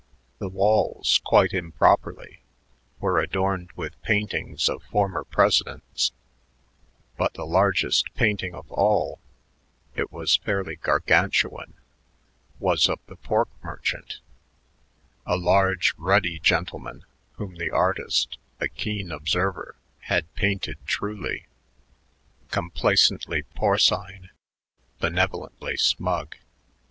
The walls, quite improperly, were adorned with paintings of former presidents, but the largest painting of all it was fairly Gargantuan was of the pork merchant, a large, ruddy gentleman, whom the artist, a keen observer, had painted truly complacently porcine, benevolently smug.